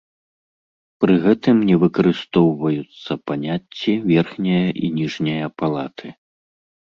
Пры гэтым не выкарыстоўваюцца паняцці верхняя і ніжняя палаты.